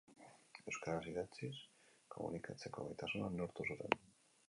Euskaraz idatziz komunikatzeko gaitasuna neurtu zuten.